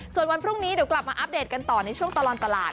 ส่วนวันพรุ่งนี้เดี๋ยวกลับมาอัปเดตกันต่อในช่วงตลอดตลาด